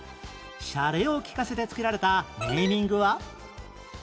しゃれを利かせて付けられたネーミングは？